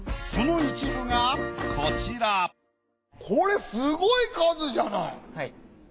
その一部がこちらこれすごい数じゃない！